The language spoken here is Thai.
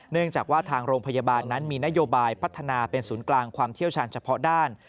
เนื่องจากว่าทางโรงพยาบาลนั้นมีนโยบายพัฒนาเป็นศูนย์กลางความเชี่ยวชาญเฉพาะด้าน